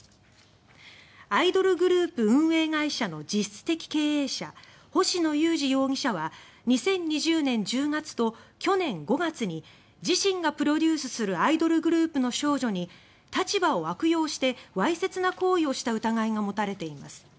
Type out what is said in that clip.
アイドルグループ運営会社の実質的経営者、星野友志容疑者は２０２０年１０月と去年５月に自身がプロデュースするアイドルグループの少女に立場を悪用してわいせつな行為をした疑いが持たれています。